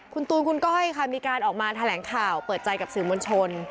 คุณตูนคุณก้อยค่ะมีการออกมาแถลงข่าวเปิดใจกับสื่อมวลชน